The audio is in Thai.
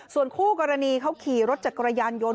ส่วนคู่กรณีเขาขี่รถจักรยานยนต